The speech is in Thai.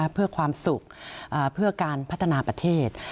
เพื่อความสุขเพื่อการพัฒนาประเทศ